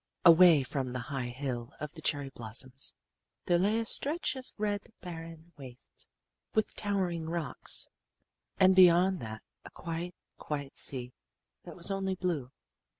"Away from the high hill of the cherry blossoms there lay a stretch of red barren waste with towering rocks and beyond that a quiet, quiet sea that was only blue.